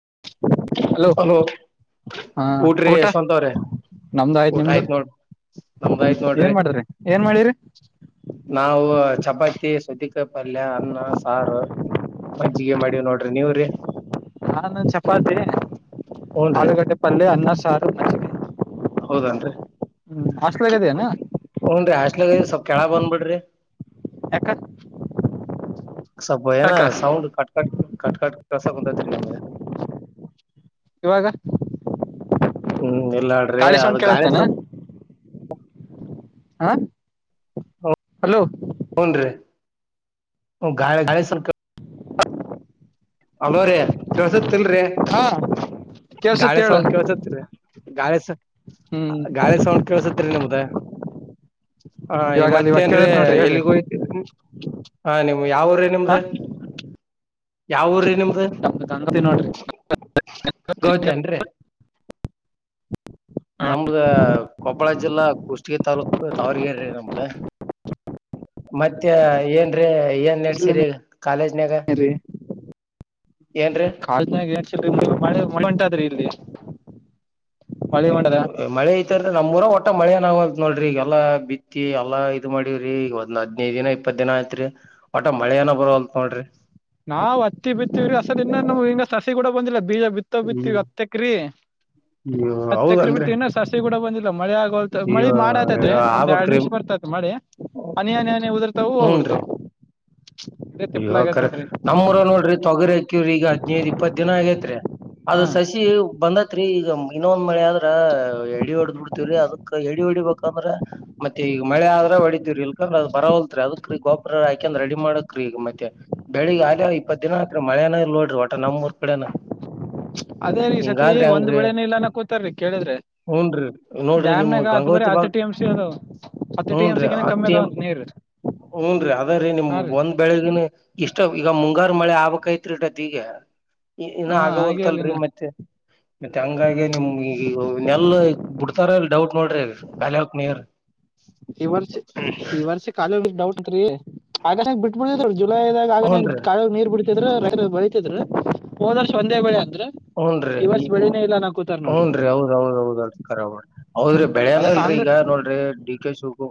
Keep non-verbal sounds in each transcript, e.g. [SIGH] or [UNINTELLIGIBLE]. [INAUDIBLE] Hello ಹಾ ಊಟ್ರಿ ಊಟ ಯಶವಂತವ್ರೆ ನಮ್ದು ಊಟ ನಿಮ್ದು ಆಯ್ತ್ ನೋಡ್ ಹ್ಮ್ ನಮ್ದಾಯ್ತ್ ನೋಡ್ರಿ ಏನ್ ಮಾಡಿದ್ರಿ ಏನ್ ಮಾಡಿರಿ ನಾವು ಚಪಾತಿ ಸೌತಿಕಾಯಿ ಪಲ್ಯ ಅನ್ನ ಸಾರು ಮಜ್ಜಿಗೆ ಮಾಡೀವ್ ನೋಡ್ರಿ ನೀವ್ರಿ ನಾನ್ ಚಪಾತಿ ಹೂನ್ರಿ ಆಲೂಗಡ್ಡೆ ಪಲ್ಯ ಅನ್ನ ಸಾರ್ ಮಜ್ಜ್ಗೆ ಹೌದನ್ರಿ ಹಾಸ್ಟೆಲ್ದಾಗ ಇದೆಯೇನ ಹುನ್ರಿ ಅ ಸ್ವಲ್ಪ ಕೆಳ ಬಂದ್ ಬಿಿಡ್ರಿ ಯಾಕ ಸಪ ಏನ ಯಾಕ sound cut cut cut cut ಕಸ ಕುಂತೈತ್ರಿ ನಿಮಗೆ ಇವಾಗ ಹ್ಮ್ ಎಲ್ಲಾಡ್ರಿ ಅದ ಸೌಂಡ್ ಗಾಳಿ ಕೇಳತ್ತೇನ ಆ ಹ ಹನ್ ರೀ ಗ ಗಾಳಿ ಸ್ಲ್ ಅಲ್ವೋ ರೀ ಕೇಳ್ಸತ್ತಲ್ರಿ ಹಾ ಕೇಳ್ಸುತ್ತ ಗಾಳಿ ಹೇಳ ಸೌಂಡ್ ಕೇಳಸತ್ರಿ ಗಾಳಿ ಹ್ಮ್ ಗಾಳಿ ಸೌಂಡ್ ಕಳ್ಸತ್ರಿ ನಿಮ್ಮದ ಹಾ ಇವಾಗ ಅಲ್ಲಿ ಇವಾಗ ಮತ್ತೇನ್್ರೆ ಕೇಳತ್ ನೋಡ್ರಿ ಹೇಳ್ರಿ ಎಲ್ಲಿಗೋಯ್ತ ಹಾ ನಿಮ್ ಯಾವ್ರೀ ಹಾ ನಿಮ್ರ ಯಾವ ಊ್ರೀ ನಿಮ್ದು ನಮ್ದು ಗಂಗತಿ ನೋಡ್ರಿ ಗೌತಿನ್ರಿೀ ತಿ ತಾಲೂಕು ದಾವರಗೆರೆ ನಮ್ದ ಮತ್ತೆ ಏನ್ರೀ ಏನ್ ನಡ್ಸಿರಿ ಕಾಲೇಜನ್ಯಾಗ ಕಾಳಿನಾಗೆ ಏನ್ ಚಿ ಫ್ರೆಂಡ್ಶಿಪ್ ಉಂಟಾದ್ರಿ ಇಲ್ಲಿ [UNINTELLIGIBLE] ಮಳೆ ಹೊಂಡದ ಮಳೆ ಈತರ ನಮ್ಮ್ಊರ ಒಟ್ಟ ಮಳೆನಂತ ನೋಡ್ರಿ ಈಗಲ್ಲ ಬಿತ್ತಿ ಎಲ್ಲ ಇದು ಮಾಡೀವ್ರಿ ಈಗ ಒಂದ ಹದ್ನೈದು ದಿನ ಇಪ್ಪತ್ತು ದಿನ ಏ ಆಯತ್ರಿ ಒಟಾ ಮಳೆ ಏನ ಬರೋಲ್ ನೋಡ್ರಿ ನಾವ್ ಹತ್ತಿ ಬಿತ್ತೀವ್ರೀ ಅಸಲ್ ಇನ್ನೇನು ಹಿಂಗ ಸಸಿ ಕೂಡ ಬಂದಿಲ್ಲ ಬೀಜ ಬಿತ್ತ ಬಿತ್ತವಿ ಹ್ಮ್ ಹತ್ತಕ್ರೀ ಹತ್ತ ತಕ್ರ ಹೌದನ್ರಿ ಬಿಡ್ತವಿ ನ ಸಸಿ ಕೂಡ ಬಂದ ಮಳೆ ಯಾಗವಲ್ದು ಮಳಿ ಅಯ್ಯೋ ಮಾಡತ ಒಂದ್ ಎರಡ್ ಆಗ್ಬಕ್ರಿ ನಿಮಿಷ ಬರ್ತೈತೆ ಮಳಿ ಹನಿ ಹನಿ ಉದ್ರು ವು ಹೂನ್ರಿ ಹೋಗ್ಬಿಡ್ತಾವ ಇದೇ ತಿಪ್ಪಲ ಆಗೇತ್ ನೋಡ್ರಿ ನಮ್ಮೂರ ನೋಡ್ರಿ ತೊಗರಿ ಹಾಕ್ಯವ್ರಿ ಈಗ ಹದ್ನೈದ್ ಇಪ್ಪತ್ ದಿನ ಆಗೇತ್ರಿ ಅದ ಹಾ ಸಸಿ ಬಂದತ್ ತ್ರಿ ಈಗ ಇನ್ನೊಂದ್ ಮಳೆ ಆದ್ರ ಎಡಿ ಹೊಡ್ದ್ ಬಿಡ್ತಿವ್ರೀ ಅದಕ್ ಎ ಡಿ ಹೊಡಿಬೇಕಂದ್ರ ಮತ್ತೆ ಈಗ ಮಳೆ ಆದ್ರೆ ಹೊಡೀವ್ರರಿ ಇಕಂದ್ರೆ ಅ ಬರ ಹೊಲ್ತ್ರಿ ಅದಕ್ ಗೊಬ್ಬರ ಹಾಕ ಅಂದ್ರ ರೆಡಿ ಮಾಡ ಕ್ರಿ ಈಗ ಮತ್ತೆ ಬೆಳಿಗ್ ಆಲ್ ಇಪ್ಪತ್ ದಿನ ಹತ್ರಿ ಮಳೆನ ನೋಡ್ರಿ ಒಟ ನಮ್ೂಊರ್ ಕಡೆನ ಅದೇ ರೀ ಸತಿ ಹಿಂಗಾದ್ರಿ ಒಂದ್ ಹೆಂಗ್ರಿ ಬೆಳೆನ ಇಲ್ಲಾನ ಕೂತಾರಿ ಕೇಳಿದ್ರೆ ಹೂನ್ರಿ ನೋಡ್ರಿ ನಿಮ್ ಡ್ಯಾಮ್ನಾಗ ಹತ್ ಬರ ಗಂಗಾವತಿ ಹತ್ತು ಬಾಗ್ ಟಿ ಎಂ ಸಿ ಅದಾವ ಹತ್ತು ಟಿ ಎಂ ಸಿಗ ಕಮ್ಮಿ ಅದಾವಂತ ನೀರು ಹೂನ್ ರೀ ಅದ ರೀ ನಿಮ್ ಒಂದ್ ಬೆಳಿಗ್ನ ಇಷ್ಟ ಈಗ ಮುಂಗಾರು ಮಳೆ ಆಗ್ಕ್ಐತ್ರಿ ಟತ್ ಈಗೆ ಇನ್ನ ಹಾ ಆಗ ಹಾಗೆ ಅಲ್ ಹೊಲ್ತಲ್ರಿ ಇನ್ನ ಮತ್ತೆ ಮತ್ತೆ ಹಂಗಾಗಿ ನಿಮ್ ಈಗಿಗೂ ನೆಲ್ ಬಿಡ್ತಾರಲ್ ಡೌಟ್ ನೋಡ್ರಿ ಖಾಲಿ ಹಾಕ್ ನೀ್ರ ಈ ವರ್ಷ ಈ ವರ್ಷ ಖಾಲಿ ಹೋಗ ಡೌಟ್ ಉಂಟ್ರಿ ಆಗಸ್ ಬಿಟ್ಬಿಿದ ಜುಲೈದಾಗ ಆಗ ಹೂನ್ರಿ ಕಳ ನೀರ್ ಬಿಡ್ತಿದ್ರ ರೈತ ಬೆಳೆ ತಿದ್ರು ಹೋದ ವರ್ಷ ಒಂದೇ ಬೆಳೆ ಅಂದ್ರ ಹುನ್ರೀ ಈ ವರ್ಷ ಉ ಬೆಳೆನೇ ಇಲ್ಲ ಅನ್ನಾಕೂತಾರ್ ನೋಡ್ರಿ ಹ್ನ್ ರೀ ಹೌದೌದ್ೌದಲ್ರಿಖರಾಬಡ್ರಿ ಹೌದ್ರಿ ಬೆಳ್ಯನ ಅದ ಅಲ್ರರಿ ಈಗ ಕಾಂಗ್ರೆ ನೋಡ್ರಿ ಡಿ ಕೆ ಶು ಕು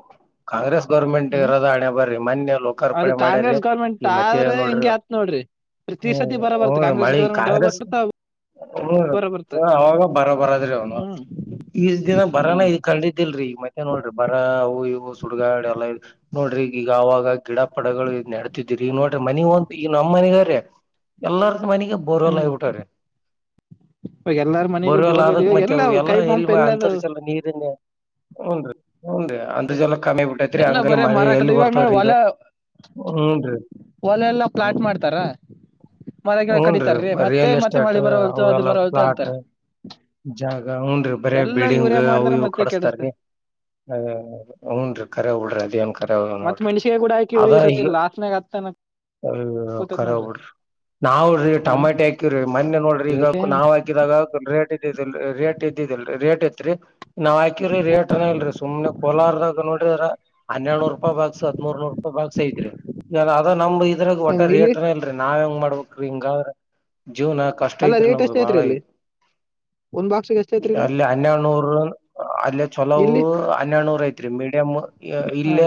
ಕಾಂಗ್ರೆಸ್ ಗೌರ್ಮೆಂಟ್ ಹ್ಮ್ ಇರೋದ ಹಣೆ ಬರ್ರಿ ಮನ್ಯ ಅದು ಲೋಕಾರ್ಪಣೆ ಮಾಡ್ಯರಿ ಕಾಂಗ್ರೆಸ್ ಗೌರ್ಮೆಂಟ್ ಈವ ಮತ್ತೆ ಆದ್ರೆ ನೋಡ್ರಿ ಹಿಂಗೆ ಆತ್ ನೋಡ್ರಿ ಪ್ರತಿ ಸತಿ ಹ್ಮ್ ಬರ ಬರ್ತ ಅವ ಕಾಂಗ್ರೆಸ್ ಮಳಿ ಗೌರ್ಮೆಂಟ್ ಯಾವಾಗ ಕರಸ ಬರ್ತ ಹ್ಮ ಬರ ಬರ್ತ ಅವಾಗ ಬರೋ ಬರದ್ರಿ ಅವನು ಹ್ಮ್ ಈಷ್ಟ ದಿನ ಬರಾನ ಇದ್ ಕಂಡಿದ್ದಲ್ರೀ ಮತ್ತೆ ನೋಡ್ರಿ ಬರ ಅವು ಇವು ಸುಡ್ಗಾ ಎಲ್ಲ ನೋಡ್ರಿ ಈ ಈಗ ಹಾಗ ಗಿಡ ಪಡಗಳು ನೆಡ್ತಿದೀರಿ ನೋಡ್ರಿ ಮನಿಗ್ ಒಂದು ಈಗ ನಮ್ಮ್ ಮನಗ್ರೆ ಎಲ್ಲಾರ್ಕು ಮನಿಗೆ ಬರ್ಲ್ಲ ಹ್ಮ್ ಆಗ್ಬಿಟ್ಟ್ರೆ ಇವಾಗ ಎಲ್ಲಾರ ಮನೆಗೂ ಬರುವವೆಲ್ಲ ಬೋರ್ವೆಲ್ ಆದಕ್ ಇವಾಗ ಮತ್ತೆ ಅ ಎಲ್ಲ ಕೈ ಎಲ್ಲಿ ಪಂಪ್ ಎಲ್ಲ ಅಂತರ್ ಅದಾವ ಎಲ್ಲ ನೀರ್ ಹ ಹುನರಿ ಅಂತ ಜಲ ಕಮ್ಮಿ ಬಿಟ್ಟೈತ್ರಿ ಎಲ್ಲ ಹಂಗ ಬರೇ ಮಳೆ ಮರಾಕದ ಎಲ್ಲಿ ಇವಾಗ ನೋಡಿ ಬರ್ತವ್ರ ಈಗ ಹೊಲ ಹ್ಮ್ನ ಹೊಲ ಎಲ್ಲ ಹ್ಮ ಪ್ಲಾಟ್ ಮಾಡ್ತಾರ ಮರ ಗಿಡ ಹೂನ್ ಕಡಿತಾರ್ರಿ ರರಿ ಮತ್ತೆ ರಿಯಲ್ ಮತ್ತೆ ಎಸ್ಟೇಟ್ ಮಳೆ ಬರವಲ್ತು ಅದು ಅವಲ್ಲ ಬರವಲ್ತು ಫ್ಲಾಟ್ ಅಂತಾರ ಜಾಗ ಹನ್ರಿ ಬರೇ ಎಲ್ಲ ಬಿಲ್ಡಿಂಗ್ ಇವ್ರೇ ಅವು ಮಾಡ್ತಾರ ಇವು ಮತ್ತೆ ಕೆಡಿಸ್ತಾರ ಕಡಸ್ತಾರಿ ಹ ಹನ್ರಿ ಕರ ಉಡ್ರಿ ಅದೇನ್ ಕರೆ ಅದ ಮತ್ ನೋಡ್ರಿ ಮಣಸಿಗೆಗ ಕೂಡ ಆಕಿವ್ರ ಈ ಸತ್ತಲ್ಲ ಆತನಾಗ ಆತನ ಹ ಕರ ಹ್ಬಿಡ್ರಿ ನಾವವುರೀ ಹ್ಮ್ ಟೊಮಾಟೆ ಹಾಕಿವ್ರಿ ಮೊೆ ನೋಡ್ರಿ ಇವತ್ತೇ ಈಗಾಕ ನಾವ್ ಹಾಕಿದಾಗ ರೇಟ್ ಇದಿದಿಲ್ ರೇಟ್ ಇದ್ದಿದಿಲ್ರಿ ರೇಟ್ ತ್ರಿ ನಾವ್ ಹಾಕಿರರಿ ರೇಟ್ ಅನ ಇಲ್ರಿ ಸುಮ್ನೆ ಕೊಲಾರದಾಗ ನೋಡಿ ಹನ್ನೆಡುನರು ರೂಪಾಯಿ ಬಾಕ್ಸ್ ಹದ್ಮೂರ್ ನೂರು ರೂಪಾಯಿ ಬಾಕ್ಸ್ ಐತ್ರಿ ಅದ ನಮ್ ಇ ಇದ್ರಾಗ ಒಟ್ಟ ಹೆಂಗ್ ಇಲ್ಲಿ ರೇಟ್ನ ಇಲ್ರರಿ ನಾವ್ ಹೆಂಗ ಮಾಡ್ಬಬೇಕಕ್ ಹಿಂಗ್ರ ಜೀವ್ನ ಕಷ್ಟ ಅಲ್ಲ ಇಐತ್ ರೇಟ್ ನಮ ಎಷ್ಟೈತ್ರಿ ಮಾಾಳೆ ಇಲ್ಲಿ ಒಂದ್ ಬಾಕ್ಸ್ ಅಲ್ಲಿ ಹನ್ನೆನೂರ್ ಅಲ್ಲ ಚಲೋವು ಇಲ್ಲಿ ಹನ್ನೆಡುನೂರ ಐತ್ರಿ ಮೀಡಿಯಂ ಹಾ ಇಲ್ಲ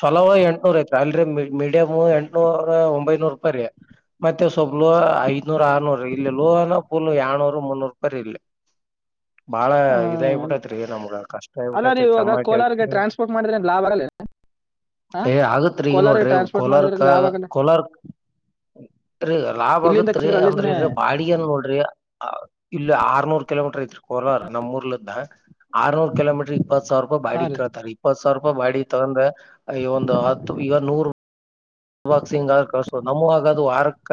ಚಲೋ ಎಂಟುನೂರ ಐ ಸಾಲರಿ ಮೀಡಿಯಮ್ ಎಂಟುನೂರ ಒಂಬೈನೂರು ರೂಪಾಯಿ ರೀ ಮತ್ತೆ ಸ್ವಲ್ಪ್ ಲೋಹ ಐದ್ನೂರ್ ಆರ್ನೂರು ಇಲ್ಲಿ ಲೋಹನ ಫುಲ್ ಯಏನೂರು ಮುನ್ನೂರು ರೂಪಾಯಿ ಇಲ್ಲಿ ಬಾಳ ರೀ ಇದಾಗಬಿಟ್ಟೈತ್ರಿ ನಮ್ಗ ಕಷ್ಟ ಅಲ್ಲ ಆಗ್ಬಿಟ್ಟೈತ್ರಿ ನೀವು ಇವಾಗ ಚಮ್ಮಾ ಕೋಲಾರ್ಗೆ ಟ್ರಾನ್ಸ್ಪೋರ್ಟ್ ಮಾಡಿದ್ರೆ [UNINTELLIGIBLE] ಏ ಆಗತ್ ಈಗ ಕೋಲಾರ್ಗೆ ನೋಡ್ರಿ ಟ್ರಾನ್ಸ್ಪೋರ್ಟ್ ಮಾಡಿದ್ರೆ ಕೋಲಾರ್ಕ ಲಾಭ ಆಗಲ್ಲ ಕೋಲಾರ್ಕ್ ಲಾಭ್ ಇಲ್ಲಿಂದ ಆಗತ್ರಿ ಕಚ್ಚಿದ್ರೆ ಅಲ್ಲಿಂದನೇ ಅಂದ್ರೆ ಬಾಡಿ ಏನ್ ನೋಡ್ರಿ ಇಲ್ಲಿ ಆರ್ನೂರ್ ಕಿಲೋಮೀಟರ್ ಐತ್ರಿ ಕೋರರ್ ನಮೂರ್ಲದ ಆರ್ನೂರು ಕಲೋಮೀಟರ್ ಇಪ್ಪ ಸಾವಿರ ರೂಪಾಯ ಹಾ ಬಾಡಿ ರೀ ಕೇಳ್ರೆ ಇಪ್ಪತ್ತು ಸಾವರ ರೂಪಾಯ ಬಾಡಿ ತಗಂದೆ ಅಯ್ಯೋ ಒಂದು ಹತ್ತು ಈಗ ನೂರು ಬಾಕ್ಸಿಂಗ್ ಆದ ಕಳ್ಸೋದು ನಮ ಆಗದು ವಾರಕ್ಕ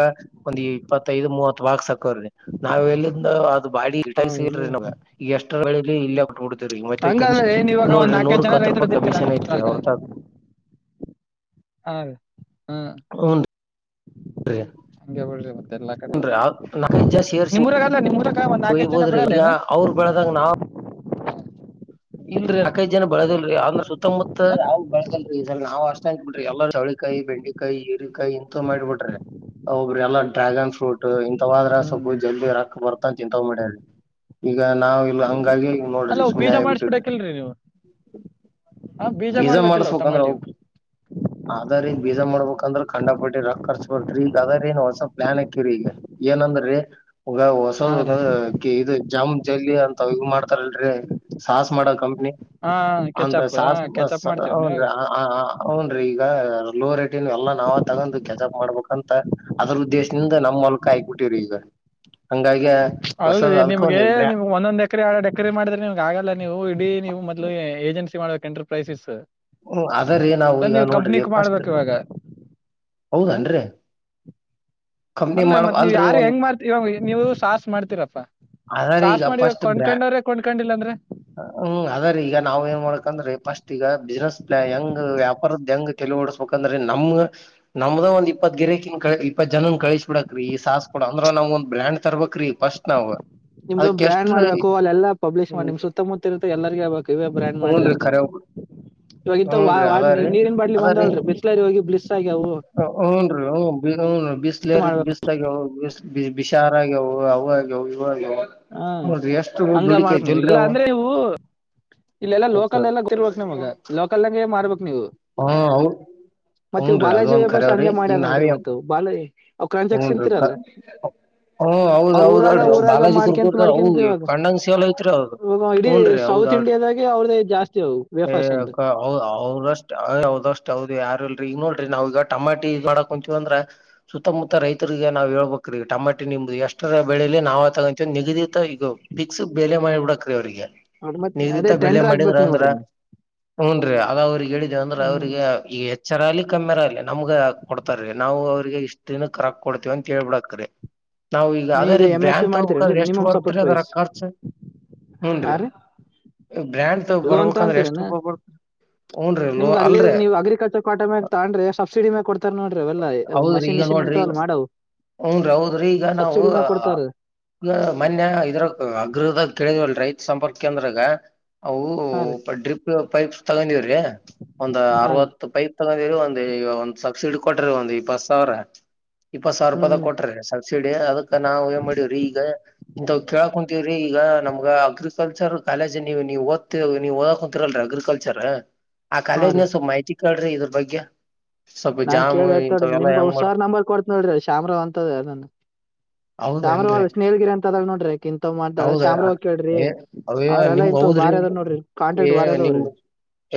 ಒಂದ್ ಇಪ್ಪತ್ತೈದು ಮೂವತ್ತು ವಾಕ್ಸ್ ನಾವ್ ಎಲ್ಲಿಂದ ಅದು ಬಾಡಿ ಗಟಲ್ ಹೌದೇನ್ರಿ ನ ಎಷ್ಟರ ಇಲ್ಲ ನೋಡದ್ರಿ ಮತ್ತೆ ಕಮಿ ಹಂಗಾದ್ರೆ ಏನ್ ಇವಾಗ ಒಂದ್ ನೋಡ್ರಿ ನಾಲ್ಕೈದು ನೂರಕ್ ಜನ ಹತ್ತು ರೈತರು ರೂಪಾಯಿ ಅದಿರ್ತೀರಾ ಕಮಿಷನ್ ಐತ್ರಿ ನಿಮ್ಮೂರಾಗ ಅವ್ರ ತ ಹ ಹ್ಮ ಸರಿ ಕಡೆ ನಿಮ್ಮೂರಾಗ [INAUDIBLE] ಅಲ್ಲ ನಿಮ್ಮೂರಾಗ ಒಂದ್ ನಾಲ್ಕೈದು ಜನ ಹೊಯಬೋದ್ರಿ ಬೆಳೆಯಲ್ಲ ಈಗ ಏನ ಅವ್ರ ಬೆಳದಂಗ ನಾವ್ ಇಲ್ರಿ ನಲ್ಕೈದ ಜ ಬೆಳೆದಲ್ರಿ ಅವದ್ರ ಸುತ್ತಮುತ್ತ ಏನ ಯಾವ ಬ ಬೆಳದಲ್ರಿ ನಾವ್ ಅಷ್ಟ ಅಂತ ಬಿಡ್ರರಿ ಎಲ್ಲ ಬೆಂಡೆಕಾಯಿ ಈರಿಕಾಯಿ ಇಂತ ಮಾಡಿಬಿಟ್ರೆ ಒಬ್ರ ಎಲ್ಲ ಡ್ರ್ಯಾಗನ್ ಫ್ರೂಟ್ ವಾದ್ರ ಹ್ಮ್ ಹ್ಮ್. ಸ್ಲ್ ಜಲ್ ರೊಕ್ಕ ಬರ್ತ ಚಿಂತ ಮಾಡಿ ಈಗ ನಾವವು ಇಲ್ ಹಂಗಾಗಿ ನೋರಿ ಸುಮ್ಮನೆ ಆ ಬಿಡಕಲ್ರಿ ನೀವು ಹಾ ಬೀಜ ಬೀಜಾ ಮಾಡ್ಬೇಕಿಲ್ಲ ಅವ್ ಮಾಡಸ್ಬೇಕಂದ್ರೆ ಟಮಾಟಿ ಅವ ಬೀಜ ಮಾಡ್ಬಬೇಕಂದ್ರಕನ್ಡಪಟ್ಟಿ ರಕ್ ಕರ್ಚ ಬರ್ತ್ರಿ ಈಗ ಅದ್ರ ನ್ ಹೊಸಾ ಪ್ಲಾನ್ ಹಾಕಿರಿ ಈಗ ಏನಂದ್ರಿ ಹಗ ಹಾ ರೀ ಹೊಸದ ಇದು ಜಾಮ್ ಲಿ ಅಂತ ಇಗ ಮಾಡ್ತಾರಲ್ರರಿ ಸಾಹಸ್ ಮಾಡ ಕಂಪನಿ ಹಾ ಕೆಚ್ಚಪ್ಪ [INAUDIBLE] ಹ ಈ ಲೋ ರೇಟನ್ ಎಲ್ಲಾ ನಾವ ತಗೊಂಡ್ ಕೆಸಾಪ್ ಮಾಡಬೇಕಂತ ಅದ್ರ ಉದ್ದೇಶದಿಂದ ನಮ್ಮ್ಲ್ಕ ಆಯಬ ಟ್ಟ ಈಗ ಹಂಗಾಗಿ ಅಲ್ ಹೊಸದ ಅದ್ಕ ಒಂದ ಬ್ರ್ಯಾ ನಿಮಗೆಮಗ್ ಒಂದೊಂದ್ ಎಕ್ರ ಎಕ್ರ ಮಾಡಿದ್ರೆ ನಿಮ್ಗ್ ಆಗಲ್ಲ ನೀವು ಇಡೀವ್ ಮೊಲು ಏಜೆನ್ಸಿ ಮಾಡ್ಬೇಕು ಎಂಟರ್ಪ್ರೈಸಿಸಸ್ ಹ್ಮ ಅದ್ರೀ ನಾವವು ಈಗ ನೋಡ್ರಿ ಪಫಸ್ಟ್ ಮಾಡ್ಬೇಕ್ ಇವಾಗ ಹೌದನ್ ರಿ ಅಲ್ಲೇ ಮತ್ ನೀವ್ ಯಾರ್ ಹೆಂಗ್ ಮಾಡ್ತಿ ಇವಾಗ ನೀವು ಸಾಸ ಮಾಡ್ತೀರಪ್ಪಾ ಅದಾರಿ ಸಾಸ್ ಈಗ ಮಾಡವ ಫಸ್ಟ್ ಬ್ರ್ಯಾ ಕೊಂಡ್ಕೊಂಡವ್ರೆ ಕೊಂಡ್ಕೊಂಡಿಲ್ಲ ಅಂದ್ರೆ ಹ್ಮ್ ಅದ್ರ ಈಗ ನಾವ್ ಏನ್ ಮಾಡ್ಕಂದ್ರೆ ಪಫಸ್ಟ್ ಈಗ ಬಿಸ್ನೆಸ್ ಹೆಂಗ್ ವ್ಯಾಪಾರದ ಹೆಂಗ್ ಕೆಲ ಓಡಸ್ಬೇಕಂದ್ರೆ ನಮ್ ನಮ್ದ ಒಂದ ಇಪ್ಪತ್ ಗೆರೆ ಕಿನ್ ಕ ಇ ಜನನ್ ಕಳಿಸ್ ಬಿಡಕ್ ರೀ ಸ ಸಾಸ್ಕ ಕೊಡ ಅಂದ್ರ ನಾವ ಒಂದ್ ಬ್ರ್ಯಾಂಡ್ ತರ್ಬೇಕಕ್ ರಿ ಫಸ್ಟ್ ನಾವ್ ಅದಕ್ ಎಷ್ಟ್ರ ನಿಮ್ದುರ್ಯಾಬೇಕು ಅಲ್ಲಾ ಪಬ್ಲಿಷ್ ಮಾಡಿ ಹ್ಮ್ ನಿಮ್ ಸುತ್ತ ಇರುತ್ತೆ ಎಲ್ಲರ್ಗ ಹೇಬೇಕು ಬ್ರ್ಯಾಂಡ್ ಹೂನ್ರಿ ಕರೆ ಮಾಡಿರಂತಂದು ಇವಾಗ ಇಂತ ವ ಹೂನ್ರಿ ಅದಾರಿ ನೀರಿನ ಬಾಟ್ಲಿ ಅದಾರಿ ಬಂದವಲ್ ಬಿಸತ್ಲರಿ ಹೋಗಿ ಬ್ಸ್ತ ಆಗ್ಯವು ಹ್ಮ್ ರಿ ಹ ಹೂನ್ ಅಂತ ಬಿಸ್ಲಾರ್ ಮಾಡ್ಬೇಕ್ ಬಿಸ್ ಆಾಗಿ ವಿಷ್ ವಿ-ವಿಷಾರ ಔ-ಔ-ಯೊ ವ ಹ ನೋಡ್ರಿ ಎಷ್ಟು ಹಂಗ ಮಾಡ್ಬೇಕ್ ದುಡಿಕೈತಿಲ್ರಿ ಅವ ಇಲ್ಲೆಲ್ಲ ಲೋಕಲೆಲ್ಲ ಗೊತ್ತಿರ್ಬೇಕಕ್ನನ್ಮಗ ಲೋಕಲ್ನಾಗೇ ಮಾಡ್ಬೇಕ್ ನಿ ಹಾಂ ಹೌ ಇವು ಹೂನ್ ರೀ ಅದ ಬಾಲಾಜಿ ಒಂದ್ ವೇಪರ್ಸ್ ಕರವ್ರಿ ಹಂಗೆ ಈಗ ಮಾಡ್ಯಾರ ನೋಡ್ರಿ ನಾವಿ ಮತ್ ಬಾಲ ಅವ್ ಕ್ರಂಚಕ್ ಹೂಂರಿ ಅ ತಿಂತಿರಲ್ಲ ಹೌ ಹೌದ್ ಹೌದು ಅವ್ರ ಊರಾಗ ಹೌದಲ್ರಿ ಊರಾಗ ಬಾಲಾಜಿ ಕುರ್ ಮಾಡ್ಕಂತ ತರ ಮಾಡ್ಕಂತ ಅವನ್ಗೆ ಇವಾಗ ಕಣ್ಣನ್ ಸೇಲ್ ಐತ್ರಿ ಅವ ಇವಾಗ ಇಡೀ ಹೂಂರ್ರಿ ಹೌದ ಸೌತ್ ಆಡ್ರಿ ಇಂಡಿಯಾದಾಗೆ ಅವ್ರದೇ ಜಾಸ್ತಿ ಅವು ಏ ವೇಫರ್ಸ್ ಏ ಎಂದು ಅಕಾ ಔ ಅವ್ರಸ್ಟು ಎ ಅವ್ರಸ್ಟ್ ಹೌದಿಯ ಯಾರು ಇಲ್ರಿ ಈಗ ನೋಡ್ರಿ ನಾವು ಈಗ ಟಮಾಟಿ ಇದ್ ಮಾಡಕ್ ಕುಂತೀವಂದ್ರೆ ಸು ಸುತ್ತಮುತ್ತ ರೈತರಿಗೆ ನಾವು ಹೇಳ್ಬೇಕ್ರೀ ಟಮಾಟೆ ನಿಮ್ದು ಎಷ್ಟರ ಬೆಳಲಿ ನಾವಾ ತಗೊಂತ್ತೀವಿ ನಿಗದಿತ ಇದು ಪಿ ಸ್ಕ್ ಬೆಲೆ ಮಾಡಿ ಬಿಡಕ್ ರೀ ಅವ್ರಿಗೆ ಅದ್ ಮತ್ ಅದೇ ನಿಗದಿತ್ತ ಬೆಲೆ ಟೆಂಡರ್ ಹಾಕ್ಬೇಕು ಮಾಡಿದ್ರೆ ಅಂದ್ರೆ ನೋಡ್ರಿ ನೀವು. ಹೂಂ ಆ ಆಗ ಅವ್ರಿಗೆ ಹೇಳಿದೇವ ಅಂದ್ರೆ ಹ್ಮ್ ಅವ್ರರಿಗೆ ಈ ಚರಅಲಿ ಕಮ್ಮಿರಲಿ ನಮ್ಗೆ ಕೊಡ್ತಾರೀ ನಾವು ಅವ್ರರಿಗೆ ಇಶ್ ತಿಂ ಕರಾಕ್ ಕೊಡ್ತೇವ ಅಂತ ಹೇಳ್ಬಿಡಾಕ್ರಿ ನಾವು ಈಗ ನೀವ್ ಅದೇ ಇದೇ ರೀ ಎಂ ಎಸ್ ಪಿ ಬ್ರ್ಯಾಂಡ್ ಮಾಡ್ತೀರೇನ್ರಿ ತಗೋಬೇಕಾದ್ರೆ ಎಷ್ಟ್ ಮಿನಿಮಮ್ ಸಪೋರ್ಟ್ ಬರ್ತ್ರಿ ಅದರ ಪ್ರೈಸ್ ಖರ್ಚ್ ಹಾ ಹೂಂರ್ರಿ ರೀ ಬ್ರ್ಯಾಂಡ್ ತ ಬರ್ಬೇಕಂದ್ರೆ ಎಸ್ಟ್ರು ಬರ್ ಬರ್ ಹುನ್ರಿ ಲೋ ನಿಮ್ಗ ಅಲ್ಲಿ ಅಲ್ರರಿ ನೀವು ಅಗ್ರಿಕಲ್ಚರ್ ಕ್ವಾಟ ಮ್ಯಾಗ ತಗಾಂಡ್ರೆ ಸಬ್ಸಿಡಿ ಮ್ಯಾಗ ಕೊಡ್ತಾರೆ ನೋಡ್ರಿ ಅವೆಲ್ಲ ಅ-ಮ ಸ್ ನಿಶಿನ್ ಅಂತವಲ್ ಮಾಡವು ಹೌನ್ರಿ ಹೌದ್ರಿ ಈಗ ನಾವು ಸಬ್ಸಿಡಿ ಅ ಮ್ಯಾಗ ಅ ಕೊಡ್ತಾರ ಈ ಮನ್ಯ ಇದ್ರಾಗೆ ಅಗೃಹದ ಕೇಳಿದ್ವಲ್ ರೈತ ಸಂಪರ್ಕ್ ಕೇಂದ್ರಾಗ ಅವು ಹಾ ರೀ ಡ್ರಿಪ್ ಪೈಪ್ಸ್ ತಗೊಂಡೀವ್ರೀ ಒಂದ್ ಹಾ ಅರವತ್ತು ಪೈಪ್ ತಗಿ ಒಂದ್ ಒಂದ್ ಸಬ್ಸಿಡಿ ಕೊಡ್ರಿ ಒಂದ್ ಇಪ್ಪತ್ ಸಾವ್ರ ಇಪ್ಪತ್ ಸಾವಿರ ರೂಪಾಯಿದ ಹ್ಮ್ ಕೊಟ್ರೆ ಸಬ್ಸಿಡಿ ಅದಕ್ಕ ನಾವು ಏನ್ ಮಾಡೀವ್ರಿ ಈಗ ಇಂತವ್ ಕೇಳ್ ಕುಂತೀವ್ರೀ ಈಗ ನಮ್ಗ ಅಗ್ರಿಕಲ್ಚರ್ ಕಾಲೇಜ್ ನೀವು ನೀವ್ ಓದ್ತ ನೀವು ಓದಕ ಕುಂತಿರಲ್ರಿ ಅಗ್ರಿಕಲ್ಚರ ಆ ಹಾ ಕಾಲೇಜ್ ರೀ ನ ಸ್ವಲ್ಪ ಮಾಹಿತಿ ಕೇಳ್ರಿ ಇದ್ರ ಬಗ್ಗೆ ಸ್ವಲ್ಪ ನಾನ್ ಜಾಮ್ ಕೇಳಿ ಹೇಳ್ತಾಳ್ರಿ ಇಂತವೆ ನಿಮ್ಗ ಒಬ್ಬ ಸಾರ್ ನಂಬರ್ ಕೊಡ್ತ ನೋಡ್ರಿ ಶಾಮರಾವ್ ಅಂತ ನ ನ ಹೌದೇನ್ರಿ ಚಾಮ್ರಾವ ಸ್ನೇಹಲ್ಗಿರಿ ಅಂತ ಅದಳ ನೋಡ್ರಿಕಿಂತವ್ ಮಾಡ್ತಾಳೆ ಹೌದ ಶಾಮ್ರಾವ ಕೇಳ್ರಿ ಏ ಅವೇ ಅವ್ರೆಲ್ಲ ನಿಮ್ಗ್ ತ್ ಹೌದ್ರಿ ಬಾರಿ ಅದಾವ ನೋಡ್ರಿ ಏ ಕಾಂಟಾಕ್ಟ್ ಬಾರಿ ನಿಮ್ ಅದಾವ್ರೀ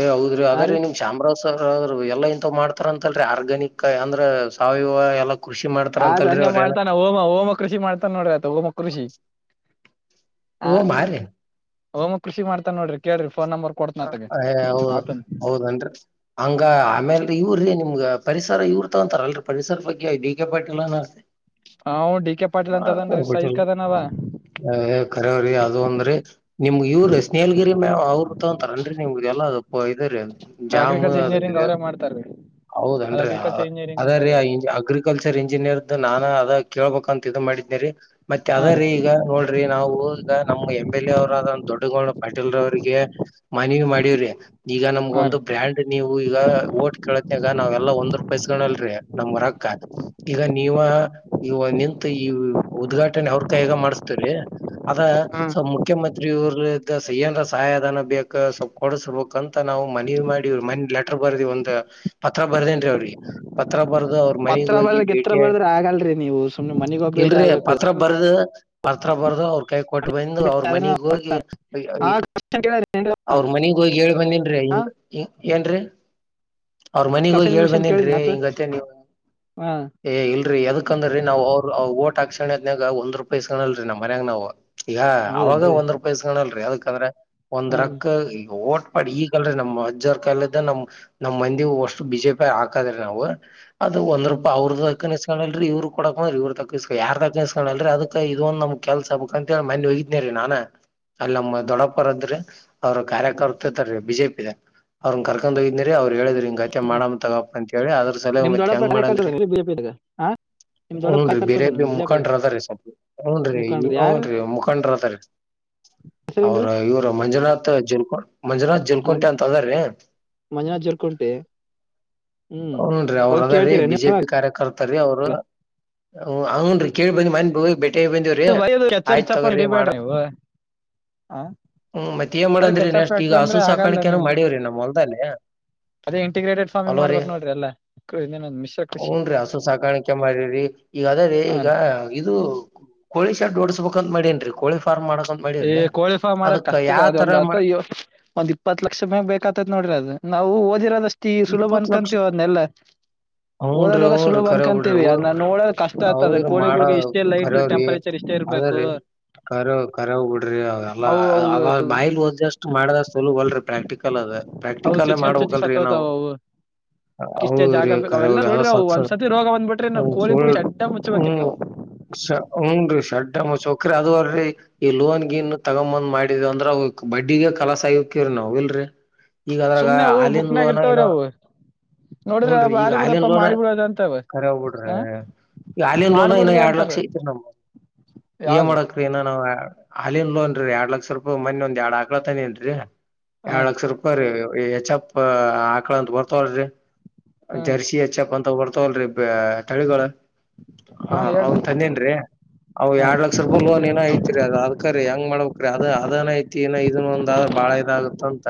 ಏ ಹೌದ್ರಿ ಅದೇ ರಿ ನಿಮ್ ಶಾಮರಾವ್ ಸರ್ ಅವರು ಎಲ್ಲ ಇಂತವ್ ಮಾಡ್ತಾರಂತಲ್ ಆರ್ಗ್ಯಾನಿಕ ಅಂದ್ರೆ ಸಾವಯವ ಎಲ್ಲ ಆತ ಹಂಗೆ ಮಾಡ್ತಾನ ಹೋಮ ಹೋಮ ಕೃಷಿ ಮಾಡ್ತಾನ ನೋಡ್ರ ಆತ ಹೋಮ ಕೃಷಿ ಅ ಓ ಮಾರಿ ಹೋಮ ಕೃಷಿ ಮಾಡ್ತನ್ ನೋಡ್ರಿ ಕೇಳ್ರಿ ಫೋನ್ ನಂಬರ್ ಕೊಡ್ತನ ಹ ಆತಗ ಹ ಹೌದ ಆತನ್ ಹೌದೇನ್ರಿ ಹಂಗ ಆಮೇಲ್ ಇವರೀ ನಿಮ್ಗ ಪರಿಸರ ಇವ್ರು ತೊಗೊಂತ್ತಾರೆ ಅಲ್ರಿ ಪರಿಸರ ಬಗ್ಗೆ ಡಿ ಕೆ ಪಾಟಿಲನ ಹಾ ಆವ್ನ್ ಡಿ ಕೆ ಪಾಟೀಲ್ ಅಂತ ಅದನ್ರಿ ಸೈಕ್ ಅದನವ ಅ ಖರವ್ರಿ ಅದು ಅಂದ್ರಿ ನಿಮ್ಗೆ ಇವ್ರು ಸ್ನೇಹಲ್ಗಿರಿ ಮ ಅವರು ಗತ್ತೊಂತರನ್ರಿ ನಿಮ್ಗ ಎಲ್ಲ ಅದು ಇದುರಿ ಜಾಮು ಅಗ್ರಿಕಲ್ಚರ್ ಅದು ಇಂಜಿನಿಯರಿಂಗ್ ಅ ಅವ್ರೇ ಮಾಡ್ತಾರೀ ಅದ ಹೌದನ್ರಿ ಅ ಅಗ್ರಿಕಲ್ಚರ್ ಇಂಜಿನಿಯರಿಂಗ್ ಅದೇರಿ ಅಂತಾರೀ ಅವ್ರು ಅಗ್ರಿಕಲ್ಚರ್ ಇಂಜಿನಿಯರ್ದು ನಾನ ಅದ ಕೇಳ್ಬೇಕಂತ ಇದು ಮಾಡಿದ್ನೆರಿ ಮತ್ತೆ ಅದೇ ರೀ ಈಗ ನೋಡ್ರಿ ನಾವು ಈಗ ನಮ್ ಎಮ್ ಎಲ್ ಎ ಅವರು ಅದನ್ ದೊಡ್ಡಗೌಡ ಪಾಟೀಲ್ರವ್ರಿಗೆ ಮನವಿ ಮಾಡೀವ್ರಿ ಈಗ ನಮಗ ಹಾ ರೀ ಒಂದು ಬ್ರ್ಯಾಂಡ್ ನೀವು ಈಗ ಓಟ್ ಕೇಳತನಾಗ ನಾವೆಲ್ಲಾ ಒಂದ್ ರೂಪಾಯಿ ಇಸ್ಕೊಲ್ಲರಿ ನಮ್ಗ ರೊಕ್ಕ ಈಗ ನೀವ ಇವ ನಿಂತ್ ಈ ಉದ್ಘಾಟನೆ ಅವ್ರ ಕೈಯಾಗ ಮಾಡಸ್ ರೀ ಅದ ಹಾ ಸ ಮುಖ್ಯಮಂತ್ರಿ ಇವ್ರ್ಲಿದ್ದ ಏನ್ರ ಸಹಾಯಧನ ಬೇಕ್ ಸ್ವಲ್ಪ್ ಕೊಡ್ಸಬೇಕಂತ ಅಂತ ನಾವು ಮನವಿ ಮಾಡಿ ಮನ್ನಿ ಲೆಟರ್ ಬರ್ದ್ ಒಂದು ಪತ್ರ ಬರ್ದೇನ್ ರೀ ಅವ್ರಿಗೆ ಪತ್ರ ಬರ್ದು ಅವ್ರ ಮನಿಗ್ ಪತ್ರ ಹೋಗಿ ಬರ್ದ ಗಿತ್ರ ಭೇಟಿ ಆಗಿ ಬರ್ದ್ರ ಆಗಲ್ರಿ ನೀವು ಸುಮ್ನೆ ಮನಿಗ್ ಹೋಗ್ ಭೇಟಿ ಇಲ್ರಿ ಆಗ್ಬೇಕು ಪತ್ರ ಬರ್ದು ಪತ್ರ ಬರ್ದು ಅವ್ರ ಕೈಯಾಗ್ ಕೊಟ್ಟ ಬಂದು ಅವ್ರ ಅದನ್ನ ಮನೆಗ್ ಹೋಗಿ ಅ ಆ ಕ್ವಶನ್ ಕೇಳ್ಯಾರ ಏನ್ರಿ ಅವ ಅವ್ರ ಮನಿಗ್ ಹೋಗಿ ಹೇಳಿ ಬಂದೀನ್ರಿ ಆ ಹಿಂಗ್ ಅ ಏನ್ರೀ ಅವ್ರ ಮನಿಗ್ ಹೋಗಿ ಕ್ವಶನ್ ಹೇಳ್ ಗಿಶನ್ ಬಂದೇನ್ರೀ ಕೇಳಿದ್ನ ಆತ ಹಿಂಗತ್ತೆ ನೀವ ಹಾ ಏ ಇಲ್ರಿ ಎದ ಹಾಕಂದ್ರೀ ನಾವು ಅವ್ರ ಅ ಓಟ್ ಹಾಕ್ಷಣದ್ನಾಗ ಒಂದ್ರುಪಯಿ ಇಸಕಲ್ಲರಿ ನಮ್ಮ್ ಮನ್ಯಾಗ ನಾವು ಈಗ ಅವಾಗ ಹೌದೇನ್ರಿ ಒಂದ್ ರೂಪಾಯಸ್ಕಣಲ್ರರಿ ಅದಕಂದ್ರ ಒಂದ್ ಹಾ ರಕ್ಕ ಈಗ ಓಟ್ ಬಟ್ ಈಗಲ್ರೀ ನಮ್ ಅಜ್ರ್ ಕಾಲದ ನಮ್ ನಮ್ ಮಂದಿವಷ್ಟು ಬಿಜೆಪಿ ಹಾಕದ್ರಿ ನಾವು ಅದು ಒಂದ್ ಹ್ಮ್ ರೂಪಾಯ ಅವರದ ಲ್ರಿ ಇವ್ರು ಕೊಡಕ ಬಂದ್ರ ಇವ್ರ ತಾಸ್ಕ ಯಾರ್ ತಾಕ ಇಸಕೋಲ್ರಿ ಅದಕ್ ಇದ ಒಂದು ನಮ್ ಕೆಲ್ಸ ಹಾಬೇಕ ಅಂತ ಹೇಳ ಮನ್ನಿ ಹೋಗಿದನೆರಿ ನಾನ ಅಲ್ಲ ನಮ್ಮ ದೊಡ್ಡಪರಿದ್ರಿ ಅವ್ರ ಕಾರ್ಯಕರ್ತೆತರೀ ಬಿಜೆಪಿದ ಅವ್ರನ್ನ ಕರ್ಕೊಂಡ್ ಹೋಗಿದನೆರಿ ಅವ್ರ ಹೇಳಿದ್ರಿ ಹಿಂಗತ್ಯ ಮಾಡಮ್ಮ ತಗಪ ಅಂತ ಹೇಳಿ ಅದ್ರ ನಿಮ್ ಸಲೈತ್ ದೊಡ್ಡಪ್ಪ ಹೆಂಗ್ ಮಾಡಂದ್ರಿ ಕಾರ್ಯಕರ್ತದನ ಬಿಜೆಪಿದಾಗ ಹಾ ನಿಮ್ ದೊಡ್ಡಪ್ಪ ಊನ್ ರೀ ಬಿ ಜೆ ಕಾರ್ಯಕರ್ತದನ ಪಿ ಬಿಜೆಪಿ ಮುಖಾಂಡ್ರ ಅದಾರೀ ಸ್ವಲ್ಪ ಹನ್ ರೀ ಮುಖಂಡ್ರಿ ಯಾರ ಹ್ನ್ ರಿ ಮುಖಂಡ್ರ ಅದಾರೀ ಅವ್ರ ಹೆಸರೇನ್ರಿ ಇವರ ಮಂಜುನಾಥ ಜಲ್ಕೊ ಮಂಜುನಾಥ್ ಮನ್ ಜಲ್ಕುಂಟಿ ಅಂತ ಅದ್ರಾರೀ ಮಂಜುನಾಥ್ ಜರ್ಕುಂಟಿ ಹ್ಮ್ ಹೊನ್ ರಿ ಅವ್ರ ಅವಾಗ ಅದ ರೀ ಕೇಳ್ತೀರ ಬಿಜೆಪಿ ಕಾರ್ಯಕರ್ತ ರೀ ಅವ್ರು ಹೊನ್ನ ಲೀ ಕೇಳಿ ಬಂದ ಮನ್ನಿ ಹೋಗಿ ಬಂದಿವ್ರಿ ನೀವು ಬಯದು ಕೆಚಪ್ ಆಯ್ತ್ ಗಿಚಪ್ ತೋಗರ್ರಿ ಮಾಡ ಹಿಡಿಬೇಡ್ರಿ ನೀವು ಆ ಹ್ಮ್ ಮತ್ತ ಏನ್ ಬರೀ ಮಾಡಂದ್ರಿ ಕೆಚಪ್ ನೆಕ್ಸ್ಟ್ ಈಗ ಫ್ಯಾಕ್ಟ್ರಿ ಹಸು ಅಂದ್ರೆ ಆಗಲ್ಲ ಸಾಕಾಣಿಕೆನು ನಿಮ್ದು ಮಾಡವ್ರಿ ನಮ್ಮೊಲ್ದಲ್ಲಿ ಅದೇ ಇಂಟಿಗ್ರೇಟೆಡ್ ಫಾರ್ಮಿಂಗ್ ಅಲೋ ರೀ ಮಾಡ್ಬೇಕ್ ನೋಡ್ರಿ ಎಲ್ಲ ಇನ್ನೇನೊಂದ್ ಮಿಶ್ರ ಕೃಷಿ ಊನ್ ರಿ ಹಸು ಸಾಕಾಣಿಕೆ ಮಾಡಿರಿ ಈಗ ಅದೇೆ ಹ ಈಗ ಇದು ಕೋಳಿ ಶೆಡ್ ಓಡಸ್ಬೇಕಂತ ಮಾಡೇನ್ರೀ ಕೋಳಿ ಫಾರ್ಮ್ ಮಾಡಕ್ ಏ ಕೋಳಿ ಫಾರಂ ಮಾಡದ ಕಷ್ಟರಿ ಅದ ಒಂದ್ ಅಥ ಮಾ ಒಂದ್ ಇಪ್ಪತ್ ಲಕ್ಷ ಮ್ಯಾಗ ಬೇಕತೈತ್ ನೋಡ್ರಿ ಅದು ನಾವು ಓದಿರದ ಅಷ್ಟ ಈಗ ಸುಲಭ ಇಪ್ಪತ್ ಲಕ್ಷ ಅನ್ಕೊಂತೀವ ಅದನ್ನೆಲ್ಲ ಹೂನ್ರಿ ಓದದೆಲ್ಲ ಸುಲಭ ಹೂನ್ರಿ ಕರೆ ಬಿಡ್ರಿ ಅನ್ಕಂತೀವಿ ಅದ ನೋಡೋ ಕಷ್ಟ ಆಗ್ತದೆ ಹೌದ್ರಿ ಮಾಡ ಕೋಳಿಗೊಳಗೆ ಇಷ್ಟೇ ಲೈಟ್ ಟಂಪರೇಚರ್ ಇಷ್ಟೇ ಇರ್ಬೇಕು ಕರೆವ ಕರೆವ ಬಿಡ್ರಿ ಅವ ಅವು ಅವು ಅವಾಗ ಬಾಯ್ಲ್ ಓದಿದಷ್ಟ ಮಾಡಿದಷ್ಟ ಸಲುಭ ಅಲ್ರರಿ ಪ್ರಾಕ್ಟಿಕಲ್ ಅದ ಅವು ಪ್ರಾಕ್ಟಿಕಲ್ ಚುಚ್ಕೊಂಡ್ ಚುಚ್ ಮಾಡ್ಬೇಕಲ್ರರಿ ನಾವು ಸತ್ತೋತಾವ ಅವು ಹ ಇಷ್ಟೇ ಹೌದ ಜಾಗ ರೀ ಬೇಕ ಅವೆಲ್ಲ ಕರೆವರಿ ಯ್ದೋ ನೋಡ್ರಿ ಅವು ಸಾತ್ ಒಂದ್ಸತಿ ರೋಗ ಬಂದ್ಬಿಟ್ರಿ ನಾವು ಹ್ಮ ಕೋಳಿ ಸುಳ್ಳ ಕುಳಿ ಅಡ್ಡ ಮುಚ್ಚಬೇಕ್ರಿ ಹ್ಮ್ ನಾವು ಸ ಹನ್ ರಿ ಶೆಡ್ಡ ಮುಚ್ಚಬೇಕ್ರಿ ಅದುವರೀ ಈ ಲೋನ್ಗಿನ್ ತಗೊಂಬಂದ್ ಮಾಡಿದಿವ ಅಂದ್ರ ಬಡ್ಡಿಗೆ ಕಲಸ ಆಗಕವ್ರಿ ನಾವ್ ಇಲ್ರರಿ ಈಗ ಅದ್ರಾಗ ಸುಮ್ನೆ ಅವು ಹಾಲಿನ್ ಬುಕ್ನಾಗ ಲೊನ ಇರ್ತಾವ್ರಿ ಇನ್ನ ಅವು ನೋಡಿದ್ರ ಹೂನ್ರಿ ಈಗ ಬಾರಿ ಹಾಲಿನ ಬಿಡಪ್ಪಾ ಲೋನ ಮಾಡಿ ಬಿಡೋದ ಅಂತವ ಕರೆ ಬುಡ್ರಿ ಹ ಈ ಹಾಲಿನ ಲೋನ ಇನ್ನ ಮಾಡ್ಬಿಡ್ರಿ ಎರಡ್ ಅಂತಾರ ಲಕ್ಷ ಐತಿರಿ ನಮ ಏನ್ ಯಾವ್ದು ಮಾಡಕ ರೀ ಏನ ಹಾಲನ್ ಲೋನ್ ಎರಡ್ ಲಕ್ಷ ರೂಪಾಯಿ ಮನ್ನಿ ಒಂದ ಎರಡ್ ಆಕಳ ತಂದಿನ್ರರಿ ಹಾ ಎರಡ್ ರೀ ಲಕ್ಷ ರೂಪಾಯಿ ರೀ ಹೆಚ್ಪ್ ಆಕಳ ಅಂತ ಬರ್ತಾವಳ್ರಿ ಹ್ಮ್ ಜರ್ಸಿ ಹೆಚ್ಪ್ ಅಂತ ಬರ್ತವಲ್ರಿ ತಳಿಗಳು ಹ ಹಾ ಹೇಳ್ರಿ ಅವನ್ ತಂದೇನ್ರೀ ಅವು ಹಾ ರೀ ಎರಡ್ ಲಕ್ಷ ರೂಪಾಯಿ ಲೋನ್ ಏನ ಐತಿರಿ ಅದಕರಿ ಹೆಂಗ ಮಾಡಕ್ ಅದ ಅದನ್ ಐತಿ ನ ಇದನ್ನ ಒಂದಾದರ ಬಾಳ ಇದಾಗತ್ತ ಅಂತ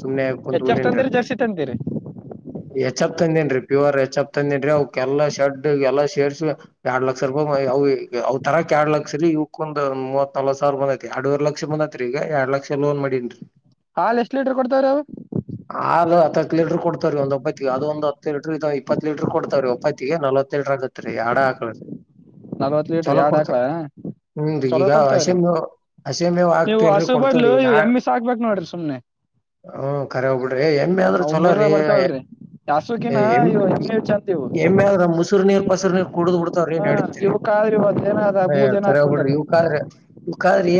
ಸುಮ್ನೆ ಕೊಂತ ಎಚ್ ಎಫ್ ಬಿಟ್ಟನರೀ ತಂದಿರಿ ಅಕಡಿ ಜರ್ಸಿ ತಂದಿರಿ ಹೆಚ್ಪ್ ತಂದೇನ್ ರೀ ಪ್ಯೂರ್ ಹೆಚ್ಪ್ ತಂದೇನ್ ರೀ ಅವಕ್ ಎಲ್ಲ ಶರ್ಡ್ ಎಲ್ಲಾ ಶೇರ್ಸ್ ಎರಡ್ ಲಕ್ಷ ರೂಪಾಯ ಅ ಅವ ಅವ್ ತರ ಕ್ಯಾಡ್ಲಕ್ ಸರಿ ಇವಕ್ಕೊಂದ್ ಮೂವತ್ ನಲ್ವತ್ ಸಾವಿರ ಬಂದತಿ ಅಡವರ್ ಲಕ್ಷ ಬಂದತ್ರತ್ರಿ ಈಗ ಎರಡ್ ಲಕ್ಷ ಲೋನ್ ಮಾಡೇನ್ರಿ ಹಾಲ್ ಎಷ್ಟ್ ಲೀಟರ್ ಕೊಡ್ತಾವ್ರವು ಹಾಲು ಹತ್ತತ್ ಲೀಟರ್ ಕೊಡ್ತಾವೀ ಒಂದ ಒಬ್ೈತ್ತಿಗೆ ಅದು ಒಂದು ಹತ್ತು ಲೀರ್ ಇಪ್ಪತ್ತು ಲೀಟರ್ ಕೊಡ್ತ ರೀ ಒಪ್ಪೈತ್ತಿಗೆ ನಲ್ವತ್ತು ಲೀಟರ್ ಆಗತ್ತತ್ೀ ಆಡ ನಲ್ವತ್ ಲೀಟರ್ ಚಲೋ ಎರಡ್ ಕೊಡ್ತ ಆಕಳ ಹ್ಮ ಚಲೋ ಈಗ ಕೊಡ್ತಾವ್ರಿ ಹಸ ೇವು್ ನೀವು ಆಗ್ತೀಲ್ರಿ ಹಸು ಕೊಡ್ತವ್ರಿ ಬದ್ಲು ನಾ ಇವು ಎಮ್ಮಿ ಸಾಕ್ಬೇಕ್ ನೋಡ್ರಿ ಸುಮ್ನೆ ಹ್ಮ ಕಖರೆ ಹೋಗ್ಬಿಡ್ರಿ ಹೆಿ ಅ ಆದ್ರ ಅವು ಚಲೋ ಮೂರರ ರೀ ಏ ಬರ್ತಾವಲ್ರಿ ಹಸುಕಿನ ಹೆ ಇವು ಎಮ್ಮಿ ಚಂದ ಇವು ಎಮ್ಮೆ ಆದ್ರ್ ಮುಸರು ನೀರು ಪಸರು ನೀರು ಕುಡ್ದ್ ಬಿಡ್ತವ್ರ ಏನ್ ಹಾ ನಡೀತಿರಿ ಇವಕ್ಕಾದ್ರಿ ಇವತ್ತೇನ ಅದ ಬೂದ್ ಏನ ಕರೋಗ್ಬ ಹಾಕ್ಬೇಕದ ಬಿಡ್ರಿ ಇವಾದ್ರೆ ಇವ್ಾದ್ರೆ ಏ